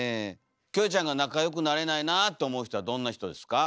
キョエちゃんが仲良くなれないなあと思う人はどんな人ですか？